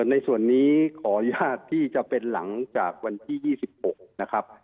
ในส่วนนี้ขออนุญาตที่จะเป็นหลังจากวันที่๒๖นะครับ